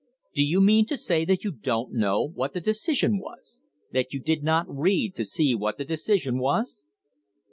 Do you mean to say that you don't know what the decision was ? that you did not read to see what the decision was